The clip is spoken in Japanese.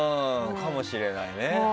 かもしれないね。